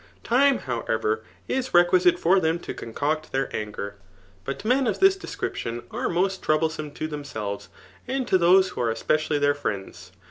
] Time, howct«r, is re* quisite for them to concoct their angen But men of this description, are most troublesome to tbemselTes, and to those who are especially their friends.